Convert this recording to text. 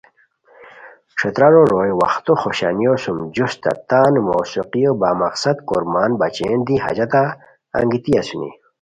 ݯھترارو روئے وختو خوشانیو سُم جوستہ تان موسیقیو بامقصد کورمان بچین دی حاجتہ ا نگیتی اسونی